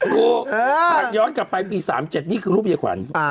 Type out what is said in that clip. ถัดย้อนกลับไปปี๓๗นี่คือรูปเยี่ยวขวาน